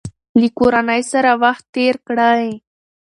له کورنۍ سره وخت تېر کړئ.